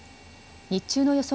日中の予想